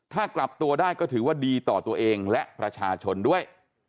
ถ้ากลับตัวได้ก็ถือว่าดีต่อตัวเองและประชาชนด้วย